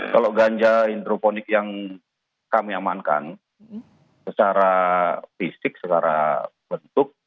kalau ganja hidroponik yang kami amankan secara fisik secara bentuk